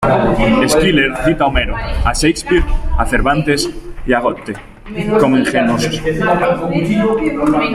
Schiller cita a Homero, a Shakespeare, a Cervantes y a Goethe, como ingenuos.